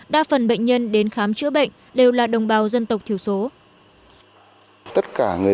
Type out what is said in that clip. đa phần bệnh nhân đến khám chữa bệnh đều là đồng bào